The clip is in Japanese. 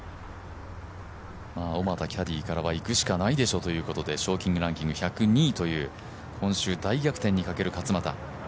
キャディーからは行くしかないでしょうということで賞金ランキング１０２位という、今週、大逆転にかける勝俣。